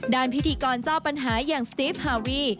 พิธีกรเจ้าปัญหาอย่างสติฟฮาวี